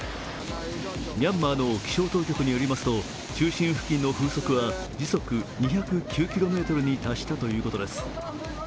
ミャンマーの気象当局によりますと中心付近の風速は時速２０９キロメートルに達したということです。